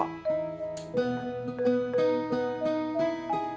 kalau saat itu tiba